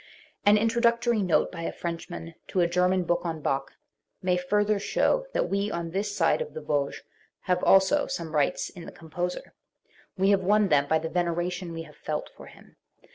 An introductory note by a Frenchman to a German book on Bach may further show that we on this skit* of the Vosges have also some rights in the composer. We have won them by the veneration we have felt for him.